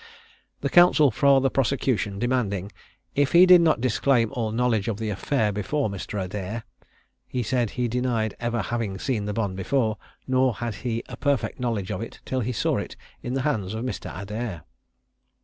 The counsel for the prosecution demanding "if he did not disclaim all knowledge of the affair before Mr. Adair," he said he denied ever having seen the bond before, nor had he a perfect knowledge of it till he saw it in the hands of Mr. Adair.